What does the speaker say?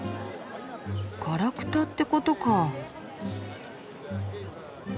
ガラクタってことか。